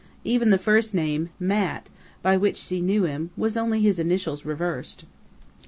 Even the first name, 'Mat', by which she knew him, was only his initials reversed."